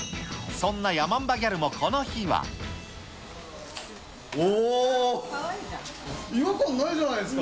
そんなヤマンバギャルもこのおー。